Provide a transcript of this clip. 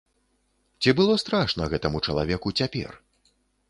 Ці было страшна гэтаму чалавеку цяпер?